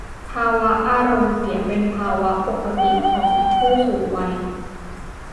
ภาวะอารมณ์เสียเป็นภาวะปกติของผู้สูงวัย